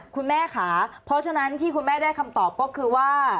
คุณแม่ค่ะเพราะฉะนั้นที่คุณแม่ได้คำตอบก็คือว่า